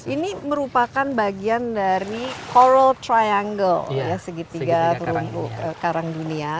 ini merupakan bagian dari coral triangle segitiga terumbu karang dunia